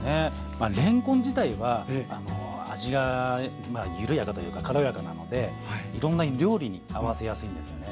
まあれんこん自体は味が緩やかというか軽やかなのでいろんな料理に合わせやすいんですよね。